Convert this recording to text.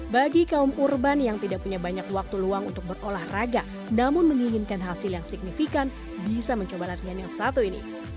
bagi kaum urban yang tidak punya banyak waktu luang untuk berolahraga namun menginginkan hasil yang signifikan bisa mencoba latihan yang satu ini